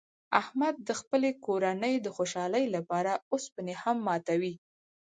احمد د خپلې کورنۍ د خوشحالۍ لپاره اوسپنې هم ماتوي.